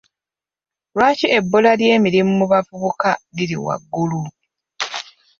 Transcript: Lwaki ebbula ly'emirimu mu bavubuka liri waggulu?